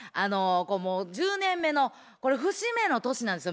もう１０年目の節目の年なんですよ